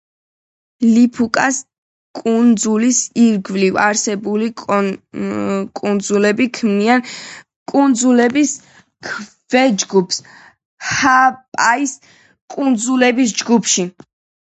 ლიფუკას კუნძულის ირგვლივ არსებული კუნძულები ქმნიან კუნძულების ქვეჯგუფს ჰააპაის კუნძულების ჯგუფში.